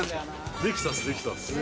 できたっす、できたっす。